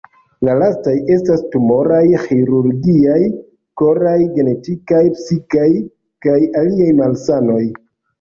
La lastaj estas tumoraj, ĥirurgiaj, koraj, genetikaj, psikaj kaj aliaj malsanoj.